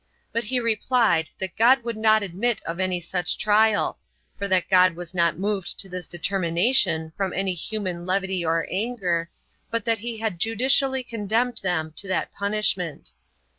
But he replied, that God would not admit of any such trial, for that God was not moved to this determination from any human levity or anger, but that he had judicially condemned them to that punishment.